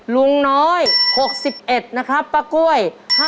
ลุงน้อย๖๑นะครับป้ากล้วย